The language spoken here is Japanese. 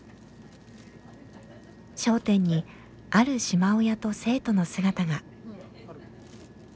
商店にある島親と生徒の姿が。